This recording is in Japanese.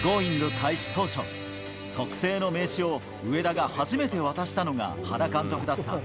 開始当初、特製の名刺を上田が初めて渡したのが原監督だった。